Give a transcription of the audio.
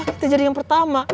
kita jadi yang pertama